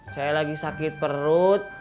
saya lagi sakit perut